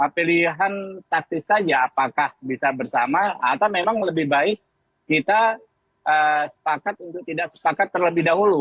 pilihan taktis saja apakah bisa bersama atau memang lebih baik kita sepakat untuk tidak sepakat terlebih dahulu